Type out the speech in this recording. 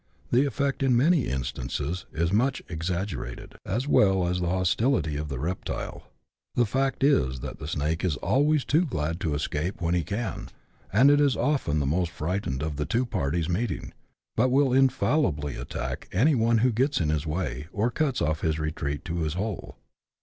The effect, in many instances, is much ex aggerated, as well as the hostility of the reptile. The fact is, that the snake is always too glad to escape when he can, and is often the most frightened of the two parties meeting, but will infallibly attack any one who gets in his way, or cuts off* his re treat to his hole.